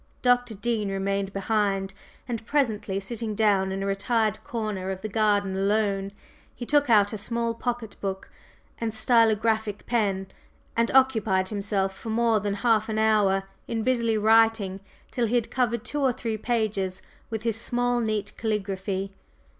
Dr. Dean remained behind, and presently sitting down in a retired corner of the garden alone, he took out a small pocket book and stylographic pen and occupied himself for more than half an hour in busily writing till he had covered two or three pages with his small, neat caligraphy.